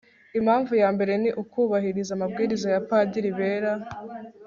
impamvu ya mbere ni ukubahiriza amabwiriza y'abapadiri bera